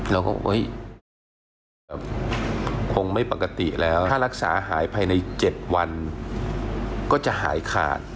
เราก็คงไม่ปกติแล้วถ้ารักษาหายภายใน๗วันก็จะหายขาด